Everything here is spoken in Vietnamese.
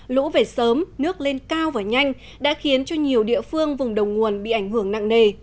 lũ về sớm nước lên cao và nhanh đã khiến cho nhiều địa phương vùng đầu nguồn bị ảnh hưởng nặng nề